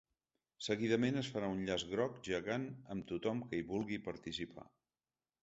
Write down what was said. Seguidament es farà un llaç groc gegant amb tothom que hi vulgui participar.